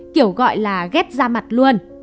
kiểu gọi là ghét ra mặt luôn